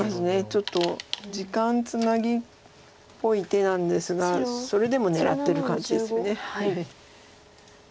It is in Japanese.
ちょっと時間つなぎっぽい手なんですがそれでも狙ってる感じですよね。